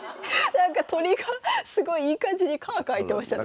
鳥がすごいいい感じにカーカーいってましたね。